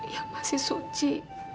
yang masih suci